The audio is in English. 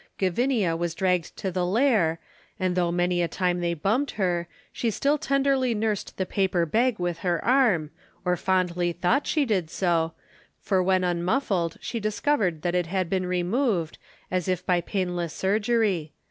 Gavinia was dragged to the Lair, and though many a time they bumped her, she still tenderly nursed the paper bag with her arm, or fondly thought she did so, for when unmuffled she discovered that it had been removed, as if by painless surgery.